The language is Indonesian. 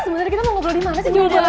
sebenernya kita mau ngobrol di mana sih